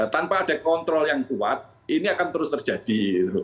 tanpa ada kontrol yang kuat ini akan terus terjadi